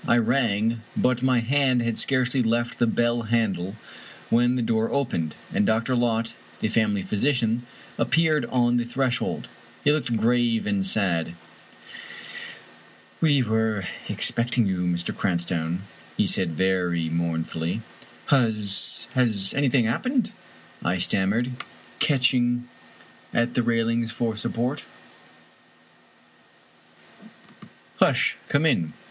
I rang, but my hand had scarcely left the bell handle when the door opened, and Dr. Lott, the family physician, appeared on the threshold. He looked grave and sad. " We were expecting you, Mr. Cranstoun," he said, very mournfully. "Has — ^has anything — ^happened?" I stammered, catch ing at the railings for support " Hush ! come in."